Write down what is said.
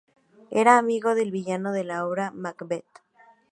Era amigo del villano de la obra, Macbeth.